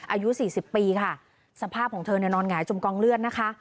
อายุสี่สิบปีค่ะสภาพของเธอเนี่ยนอนหงายจมกองเลือดนะคะ